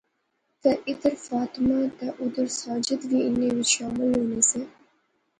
تہ ادھر فاطمہ تہ اُدھر ساجد وی انیں وچ شامل ہونے سے